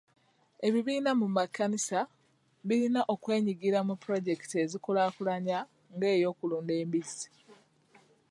Ebibiina mu makanisa birina okwenyigira mu pulojekiti ezikulaakulanya nga ey'okulunda embizzi.